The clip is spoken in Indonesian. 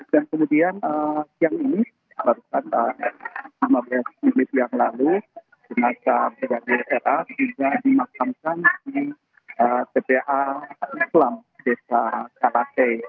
dan kemudian siang ini baru saja lima menit yang lalu benar benar brigadir ra sudah dimasamkan di kta islam desa kalasei